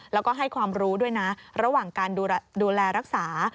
แล้วก็ให้ความรู้ด้วยนะระหว่างการดูแลรักษา